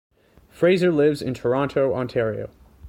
Fraser lives in Toronto, Ontario.